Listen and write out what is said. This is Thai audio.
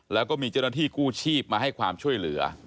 แล้วก็มีเจ้าหน้าที่กู้ชีพมาให้ความช่วยเหลือ